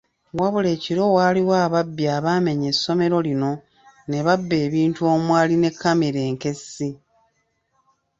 Wabula ekiro waaliwo ababbi abaamenya essomero lino ne babba ebintu omwali ne kkamera enkessi.